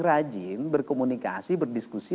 rajin berkomunikasi berdiskusi